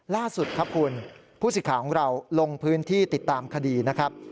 ล่าสุดครับคุณผู้สิทธิ์ของเราลงพื้นที่ติดตามคดีนะครับ